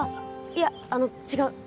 いやあの違う